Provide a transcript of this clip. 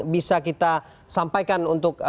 bisa kita sampaikan untuk